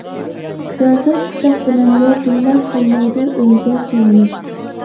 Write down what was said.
جانسىز قۇچاق بىلەنمۇ بىللە قالمايدۇ ئۆيگە سۇلىنىپ.